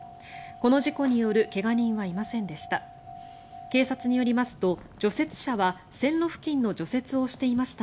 この事故による怪我人はいませんでした。